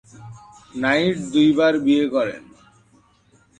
Night দুইবার বিয়ে করেন।